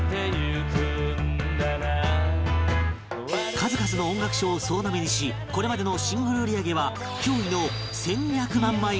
数々の音楽賞を総なめにしこれまでのシングル売り上げは脅威の１２００万枚超え